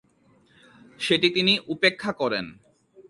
সেটি তিনি উপেক্ষা করেন।